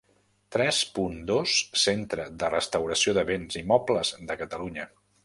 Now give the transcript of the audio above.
Tres punt dos Centre de Restauració de Béns i Mobles de Catalunya.